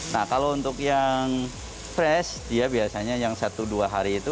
nah kalau untuk yang fresh dia biasanya yang satu dua hari itu